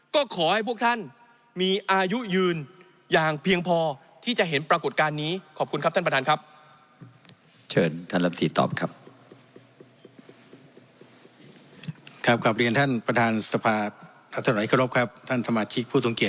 ก็ขอให้พวกท่านมีอายุยืนอย่างเพียงพอที่จะเห็นปรากฏการณ์นี้